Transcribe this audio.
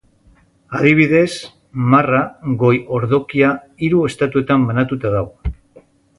Adibidez Marra goi-ordokia hiru estatuetan banatuta dago.